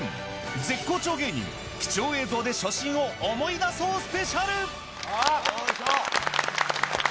絶好調芸人、貴重映像で初心を思い出そうスペシャル。